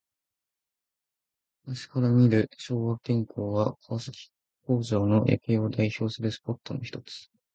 扇橋から見る昭和電工は、川崎工場夜景を代表するスポットのひとつ。